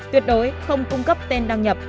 tuyệt đối không cung cấp tên đăng nhập